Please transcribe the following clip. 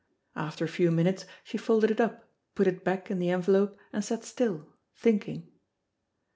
After a few minutes she folded it up, put it back in the envelope, and sat still, thinking.